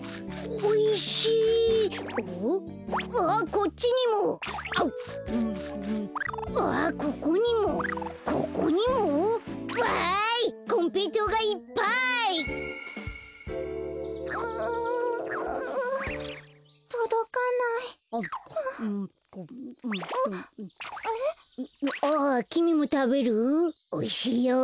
おいしいよ。